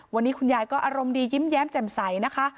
วันนี้คุณยายก็อารมณ์ดียิ้มแย้มแจ่มใสนะคะ